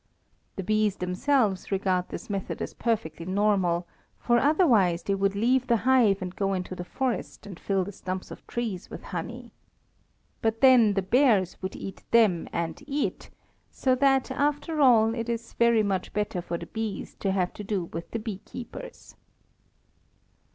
The bees themselves regard this method as perfectly normal, for otherwise they would leave the hive and go into the forest and fill the stumps of trees with honey. But then the bears would eat them and it, so that, after all, it is very much better for the bees to have to do with the bee keepers.